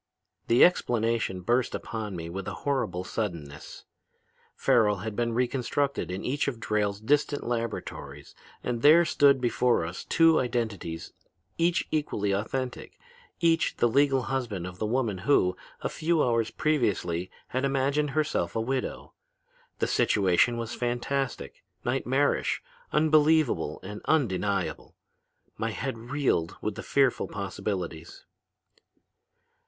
"The explanation burst upon me with a horrible suddenness. Farrel had been reconstructed in each of Drayle's distant laboratories, and there stood before us two identities each equally authentic, each the legal husband of the woman who, a few hours previously, had imagined herself a widow. The situation was fantastic, nightmarish, unbelievable and undeniable. My head reeled with the fearful possibilities.